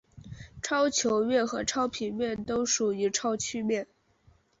超球面和超平面都属于超曲面。